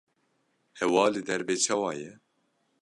Hewa li derve çawa ye?